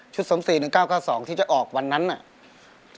ชุดสมศรี๑๙๙๒ที่จะออกวันนั้นน่ะ